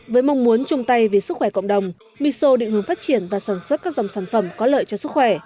với mong muốn chung tay vì sức khỏe cộng đồng miso định hướng phát triển và sản xuất các dòng sản phẩm có lợi cho sức khỏe